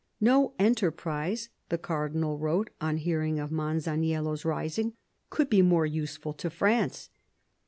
"No enterprise," the cardinal wrote, on hearing of Masaniello's rising, "could be more useful to France."